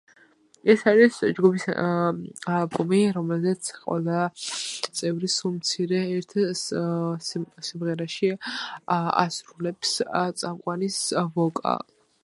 ეს არის ჯგუფის ალბომი, რომელზეც ყველა წევრი სულ მცირე, ერთ სიმღერაში ასრულებს წამყვან ვოკალს.